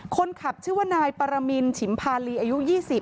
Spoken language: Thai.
คนขับชื่อว่านายปรมินฉิมพาลีอายุ๒๐